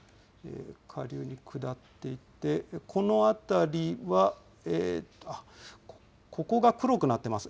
下流に下っていって、この辺りは、ここが黒くなっています。